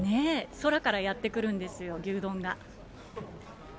空からやって来るんですよ、牛丼が。